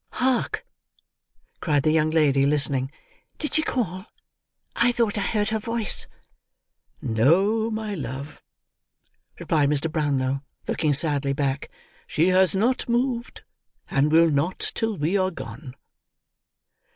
"Hark!" cried the young lady, listening. "Did she call! I thought I heard her voice." "No, my love," replied Mr. Brownlow, looking sadly back. "She has not moved, and will not till we are gone."